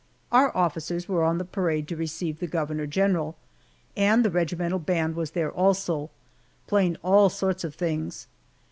Our officers were on the parade to receive the governor general, and the regimental band was there also, playing all sorts of things.